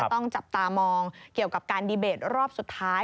ต้องจับตามองเกี่ยวกับการดีเบตรอบสุดท้าย